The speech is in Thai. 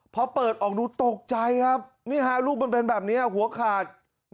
พอเปิดออกดูตกใจครับนี่ฮะรูปมันเป็นแบบนี้หัวขาด